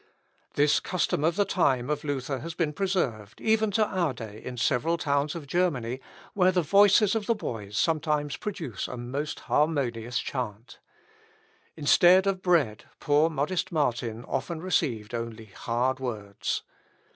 This custom of the time of Luther has been preserved, even to our day, in several towns of Germany, where the voices of the boys sometimes produce a most harmonious chant. Instead of bread, poor modest Martin often received only hard words.